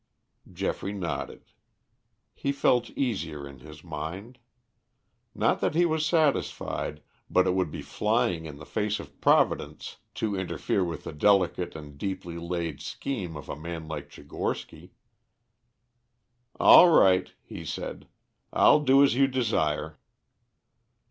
Geoffrey nodded. He felt easier in his mind. Not that he was satisfied, but it would be flying in the face of Providence to interfere with the delicate and deeply laid scheme of a man like Tchigorsky. "All right," he said. "I'll do as you desire."